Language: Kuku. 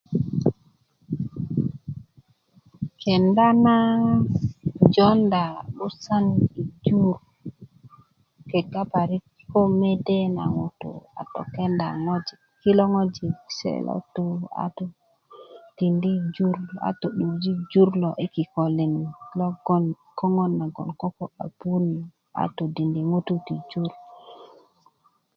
kenda na jounda 'busan i jur kega parik ko mede na ŋutu a tokenda ŋwajik kilo ŋwajik se lo tu a tikindi jur a to'durji jur lo i kikölin logon köŋön nagon kok a pu na tödindi jur